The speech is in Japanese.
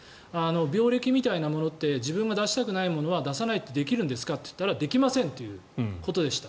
病歴みたいなものって自分が出したくないものは出さないってできるんですかと言ったらできませんということでした。